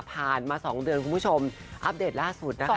ผ่านมา๒เดือนคุณผู้ชมอัปเดตล่าสุด